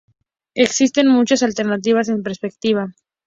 Existen muchas alternativas en perspectiva.